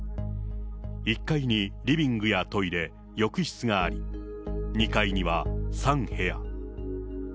１階にリビングやトイレ、浴室があり、２階には３部屋。